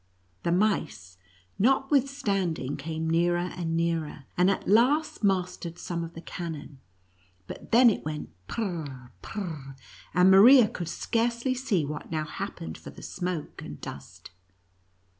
The mice, notwithstanding, came nearer and nearer, and at last mastered some of the cannon, but then it went prr — prr — and Maria could scarcely see what now happened for the smoke and dust.